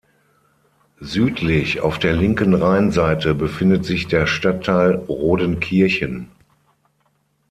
Südlich, auf der linken Rheinseite, befindet sich der Stadtteil Rodenkirchen.